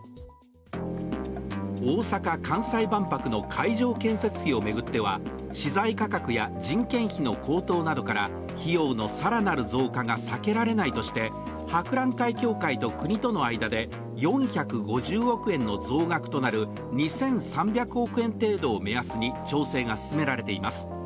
大阪・関西万博の会場建設費を巡っては資材価格や人件費の高騰などから費用の更なる増加が避けられないとして、博覧会協会と国との間で４５０億円の増額となる２３００億円程度を目安に調整が進められています